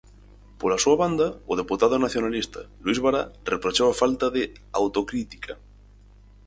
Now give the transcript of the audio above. Pola súa banda, o deputado nacionalista Luís Bará reprochou a falta de "autocrítica".